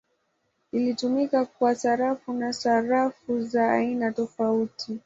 Ilitumika kwa sarafu na sarafu za aina tofauti.